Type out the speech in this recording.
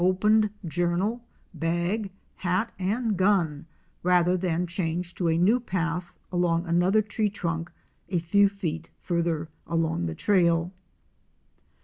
309 opened journal, bag, hat and gun, rather than change to a new path along another tree trunk a few feet farther along the trail.